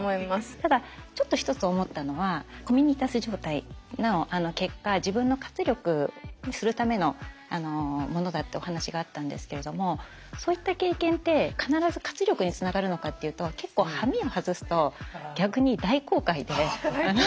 ただちょっと一つ思ったのはコミュニタス状態の結果自分の活力にするためのものだってお話があったんですけれどもそういった経験って必ず活力につながるのかっていうと結構その辺りって。